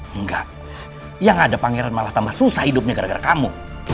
enggak yang ada pangeran malah tambah susah hidupnya gara gara kamu